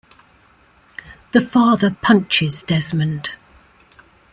The father punches Desmond.